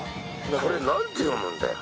これ、何て読むんだよ？